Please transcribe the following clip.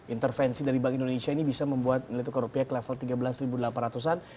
intervensi dari bank indonesia ini bisa membuat nilai tukar rupiah ke level tiga belas delapan ratus an